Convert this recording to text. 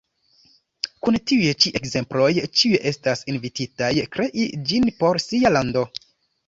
Kun tiuj ĉi ekzemploj ĉiuj estas invititaj krei ĝin por sia lando.